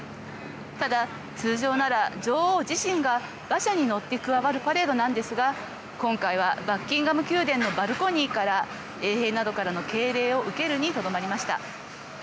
ただ、通常なら女王自身が馬車に乗って加わるパレードなんですが今回はバッキンガム宮殿のバルコニーから衛兵などからの敬礼を受けるにとどまりました。